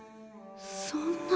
そんな。